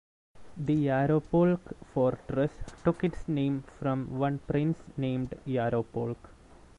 The Yaropolk fortress took its name from one prince named Yaropolk.